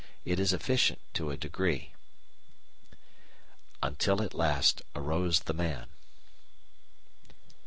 It is efficient to a degree. "Until at last arose the Man."